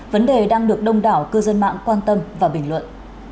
vấn đề đang được đông đảo cư dân mạng quan tâm và bình luận